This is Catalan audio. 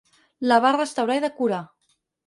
La va restaurar i decorar.